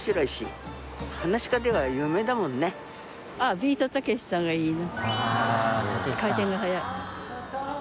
ビートたけしさんがいいね。